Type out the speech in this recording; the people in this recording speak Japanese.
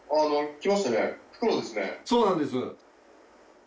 そうなんです。